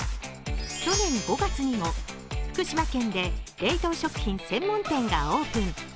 去年５月にも福島県で冷凍食品専門店がオープン。